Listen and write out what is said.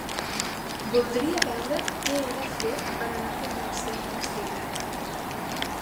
Voldria veure què he de fer per anar fins al centre cívic.